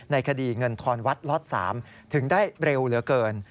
ในคดีเงินทอนวัดล็อต๓ถึงได้เร็วเหลือเกิน